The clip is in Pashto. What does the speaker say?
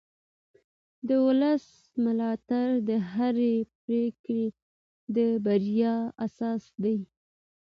د ولس ملاتړ د هرې پرېکړې د بریا اساس دی